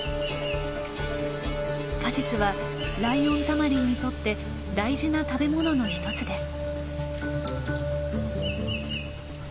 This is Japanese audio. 果実はライオンタマリンにとって大事な食べ物のひとつです。